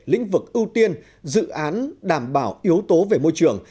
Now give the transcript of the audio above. lĩnh vực ưu tiên dự án đảm bảo yếu tố về môi trường